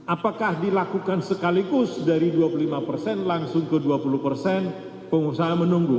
apakah dilakukan sekaligus dari dua puluh lima persen langsung ke dua puluh persen pengusaha menunggu